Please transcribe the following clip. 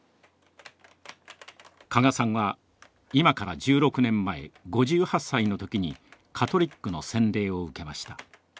加賀さんは今から１６年前５８歳の時にカトリックの洗礼を受けました。